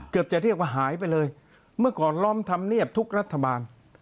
จะเรียกว่าหายไปเลยเมื่อก่อนล้อมธรรมเนียบทุกรัฐบาล